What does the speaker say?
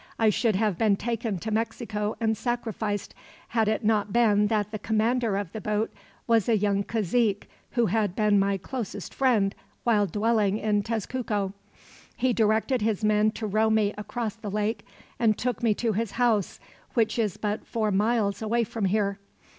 I should have been taken to Mexico and sacrificed, had it not been that the commander of the boat was a young cazique, who had been my closest friend while dwelling in Tezcuco. He directed his men to row me across the lake, and took me to his house, which is but four miles away from here.